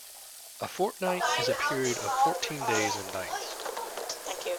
A fortnight is a period of fourteen days and nights